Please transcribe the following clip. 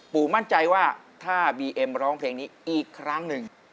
มั่นใจว่าถ้าบีเอ็มร้องเพลงนี้อีกครั้งหนึ่ง